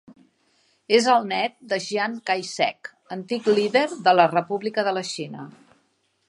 És el net de Chiang Kai-shek, antic líder de la República de la Xina.